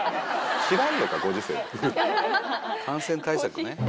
感染対策ね。